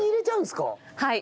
はい。